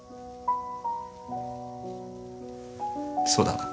そうだな。